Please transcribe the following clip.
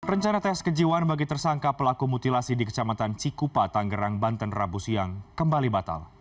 rencana tes kejiwaan bagi tersangka pelaku mutilasi di kecamatan cikupa tanggerang banten rabu siang kembali batal